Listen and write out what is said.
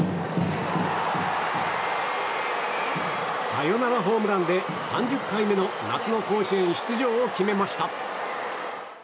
サヨナラホームランで３０回目の夏の甲子園出場を決めました。